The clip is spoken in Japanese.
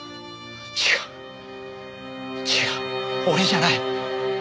違う違う俺じゃない。